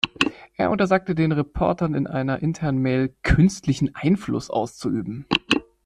Er untersagte den Reportern in einer internen Mail, "„künstlichen Einfluss auszuüben.